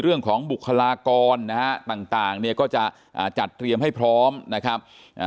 เรื่องของบุคลากรนะฮะต่างเนี่ยก็จะจัดเตรียมให้พร้อมนะครับ